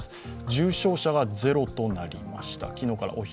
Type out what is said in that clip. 重症者がゼロとなりました。